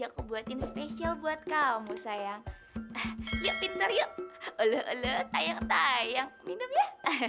aku buatin spesial buat kamu sayang yuk pintar yuk oluh oluh tayang tayang minum ya